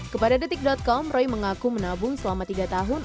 kepada detik com roy mengaku menabung selama tiga tahun